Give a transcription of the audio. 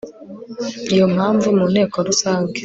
iyo mpamvu mu nteko rusange